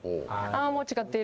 あ、もう違っている。